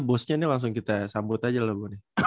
bosnya ini langsung kita sambut aja loh bu